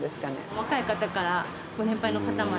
若い方からご年配の方まで。